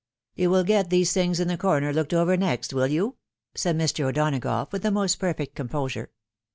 " You will get these things in the corner looked over next, will you?" said Mr. O'Donagough, with the most perfect composure.